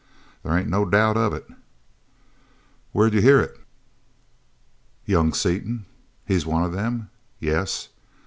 "There ain't no doubt of it." "Where'd you hear it?" "Young Seaton." "He's one of them?" "Yes."